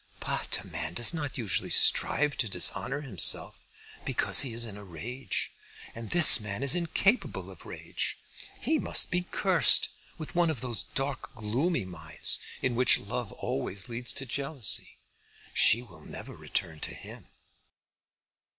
"But a man does not usually strive to dishonour himself because he is in a rage. And this man is incapable of rage. He must be cursed with one of those dark gloomy minds in which love always leads to jealousy. She will never return to him."